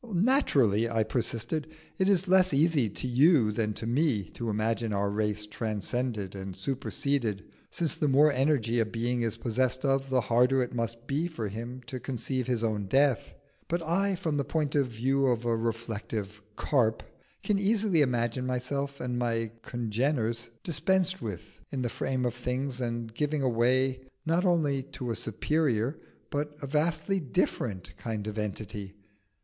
"Naturally," I persisted, "it is less easy to you than to me to imagine our race transcended and superseded, since the more energy a being is possessed of, the harder it must be for him to conceive his own death. But I, from the point of view of a reflective carp, can easily imagine myself and my congeners dispensed with in the frame of things and giving way not only to a superior but a vastly different kind of Entity.